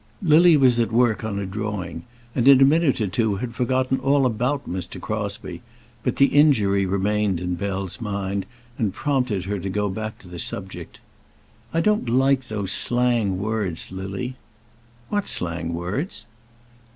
Lily was at work on a drawing, and in a minute or two had forgotten all about Mr. Crosbie; but the injury remained on Bell's mind, and prompted her to go back to the subject. "I don't like those slang words, Lily." "What slang words?"